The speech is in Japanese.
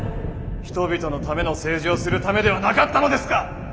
人々のための政治をするためではなかったのですか！？